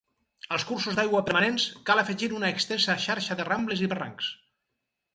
Als cursos d'aigua permanents cal afegir una extensa xarxa de rambles i barrancs.